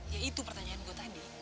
ya itu pertanyaan gue tadi